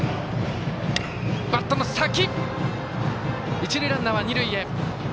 一塁ランナーは二塁へ。